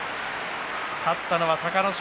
勝ったのは隆の勝。